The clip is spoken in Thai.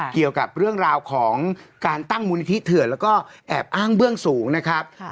เกี่ยวกับเรื่องราวของการตั้งมูลนิธิเถื่อนแล้วก็แอบอ้างเบื้องสูงนะครับ